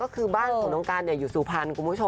คือบ้านของน้องกันนี่คืออยู่สูภัณฑ์